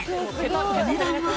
お値段は。